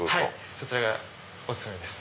そちらがお勧めです。